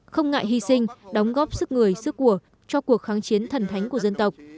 không ngại hy sinh đóng góp sức người sức của cho cuộc kháng chiến thần thánh của dân tộc